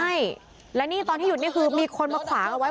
ใช่และนี่ตอนที่หยุดนี่คือมีคนมาขวางเอาไว้